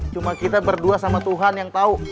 cuma kita berdua sama tuhan yang tahu